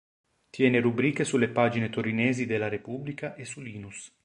Tiene rubriche sulle pagine torinesi de "La Repubblica" e su "Linus".